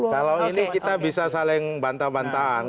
kalau ini kita bisa saling bantah bantahan